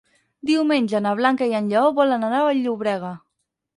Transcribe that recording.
Diumenge na Blanca i en Lleó volen anar a Vall-llobrega.